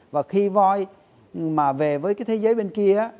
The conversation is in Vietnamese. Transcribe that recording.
và khi voi mà về với cái thế giới bên kia á